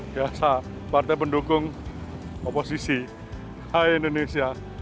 pada saat partai pendukung oposisi hai indonesia